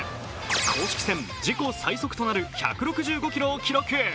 公式戦・自己最速となる１６５キロを記録。